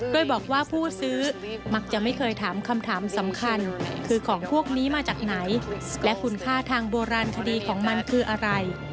โดยบอกว่าผู้ซื้อมักจะไม่เคยถามคำถามสำคัญคือของพวกนี้มาจากไหนและคุณค่าทางโบราณคดีของมันคืออะไร